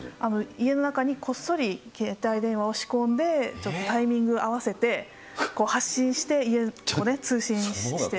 家の中にこっそり携帯電話を仕込んで、ちょっとタイミング合わせて、発信して、家を通信して。